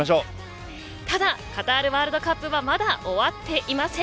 ただカタールワールドカップはまだ終わっていません。